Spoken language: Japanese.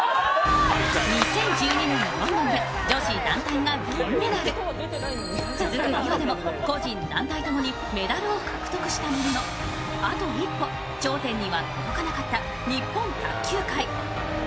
２０１２年ロンドンで女子団体が銀メダル続くリオでも個人・団体ともにメダルを獲得したものの、あと一歩、頂点には届かなかった日本卓球界。